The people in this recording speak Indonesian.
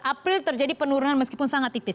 april terjadi penurunan meskipun sangat tipis